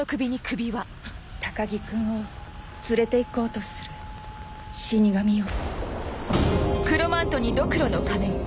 高木君を連れていこうとする死神よ。